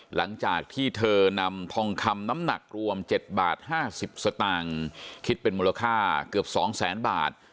หลังจากที่เธอนำทองคำน้ำหนักรวม๗บาท๕๐สตางค์คิดเป็นมูลค่าเกือบ๒แสนบาท